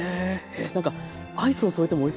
なんかアイスを添えてもおいしそうですね。